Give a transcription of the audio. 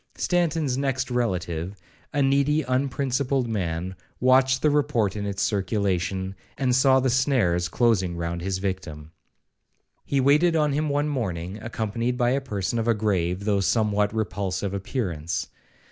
Stanton's next relative, a needy unprincipled man, watched the report in its circulation, and saw the snares closing round his victim. He waited on him one morning, accompanied by a person of a grave, though somewhat repulsive appearance.